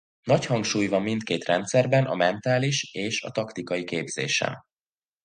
Nagy hangsúly van mindkét rendszerben a mentális is a taktikai képzésen.